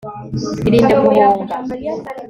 irinde guhunga